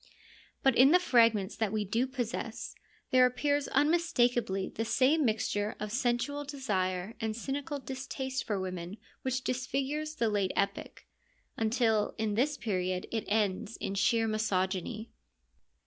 But in the fragments that we do possess there appears unmistakably the same mixture of sensual desire and cynical distaste for women which disfigures the late Epic ; until in this period it ends in sheer misogyny.